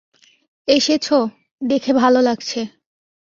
এসেছো দেখে ভালো লাগছে।